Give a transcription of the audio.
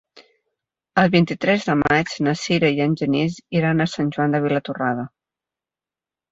El vint-i-tres de maig na Sira i en Genís iran a Sant Joan de Vilatorrada.